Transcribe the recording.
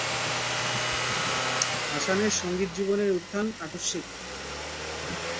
হাসানের সঙ্গীত জীবনের উত্থান আকস্মিক।